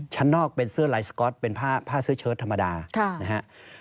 ชั้นนอกเป็นเสื้อลายสก๊อตเป็นผ้าเสื้อเชิดธรรมดานะฮะ